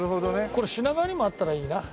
これ品川にもあったらいいな。